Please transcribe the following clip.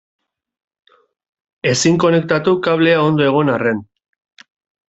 Ezin konektatu, klabea ondo egon arren.